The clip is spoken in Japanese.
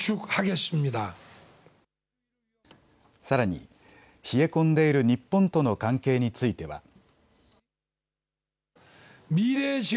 さらに冷え込んでいる日本との関係については。